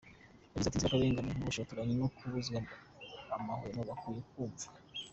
Yagize ati “Inzirakarengane z’ubushotoranyi no kubuzwa amahwemo bakwiye kumvwa.